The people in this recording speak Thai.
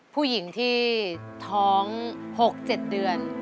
ผู้หญิงที่ท้อง๖๗เดือน